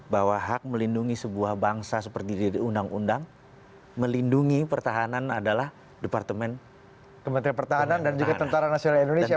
bahwa hak melindungi sebuah bangsa seperti di undang undang melindungi pertahanan adalah departemen kementerian pertahanan dan juga tentara nasional indonesia